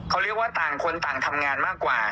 เขาเรียกว่าต่างคนต่างทำงานมากกว่า